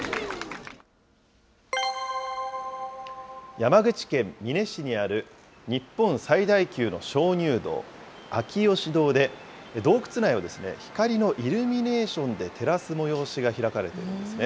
山口県美祢市にある日本最大級の鍾乳洞、秋芳洞で洞窟内を光のイルミネーションで照らす催しが開かれていますね。